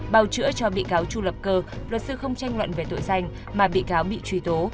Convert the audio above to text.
bào chữa cho bị cáo chu lập cơ luật sư không tranh luận về tội danh mà bị cáo bị truy tố